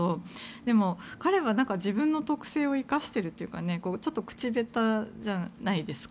でも、彼は自分の特性を生かしているというかちょっと口下手じゃないですか。